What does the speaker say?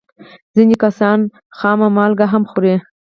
ځینې کسان خامه مالګه هم خوري.